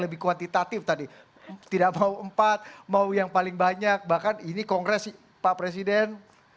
lebih kuantitatif tadi tidak mau empat mau yang paling banyak bahkan ini kongres pak presiden